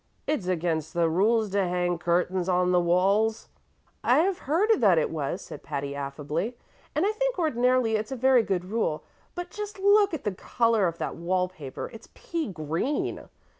"It's against the rules to hang curtains on the walls." "I have heard that it was," said Patty, affably, "and I think ordinarily it's a very good rule. But just look at the color of that wall paper. It's pea green.